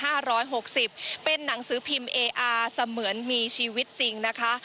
ร้อยหกสิบเป็นหนังสือพิมพ์เออาเสมือนมีชีวิตจริงนะคะ